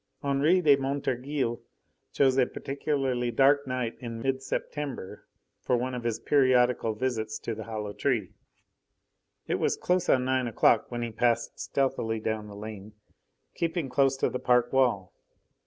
Henri de Montorgueil chose a peculiarly dark night in mid September for one of his periodical visits to the hollow tree. It was close on nine o'clock when he passed stealthily down the lane, keeping close to the park wall.